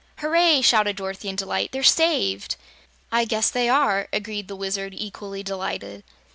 "Hooray!" shouted Dorothy in delight; "they're saved!" "I guess they are," agreed the Wizard, equally delighted.